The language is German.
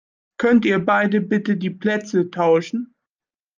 Könnt ihr beide bitte die Plätze tauschen?